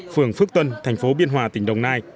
phường phước tân thành phố biên hòa tỉnh đồng nai